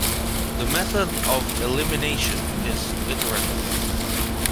The method of elimination is iterative.